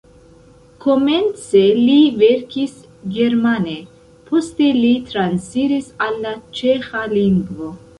Komence li verkis germane, poste li transiris al la ĉeĥa lingvo.